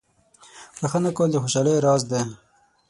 • بخښنه کول د خوشحالۍ راز دی.